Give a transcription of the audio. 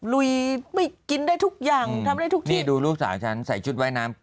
ลุยไม่กินได้ทุกอย่างทำได้ทุกอย่างนี่ดูลูกสาวฉันใส่ชุดว่ายน้ำ